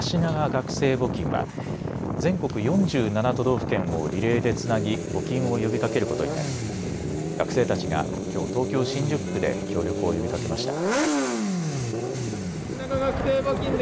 学生募金は全国４７都道府県をリレーでつなぎ募金を呼びかけることになり学生たちがきょう、東京新宿区で協力を呼びかけました。